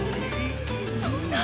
そんな。